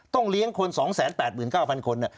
ต้องเลี้ยงคน๒๘๙๐๐๐คนเนี่ย